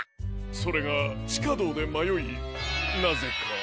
それがちかどうでまよいなぜか。